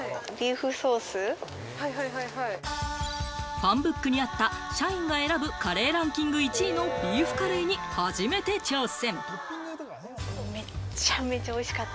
ファンブックにあった社員が選ぶカレーランキング１位のビーフカレーに初めて挑戦。